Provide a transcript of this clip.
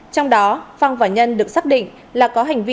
trong đó phong và nhân được xác định là có hành vi